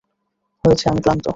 হয়েছে, আমি ক্লান্ত।